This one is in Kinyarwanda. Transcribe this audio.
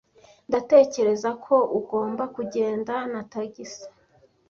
Ndatekereza ko ugomba kugenda na tagisi.